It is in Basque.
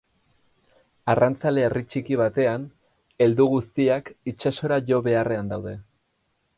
Arrantzale-herri txiki batean, heldu guztiak itsasora jo beharrean daude.